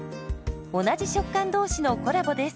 同じ食感同士のコラボです。